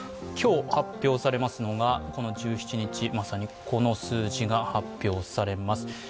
今日発表されますのが１７日まさに、この数字が発表されます。